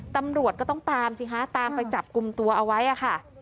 ตำรวจก็ต้องตามสิคะตามไปจับกลุ่มตัวเอาไว้ค่ะ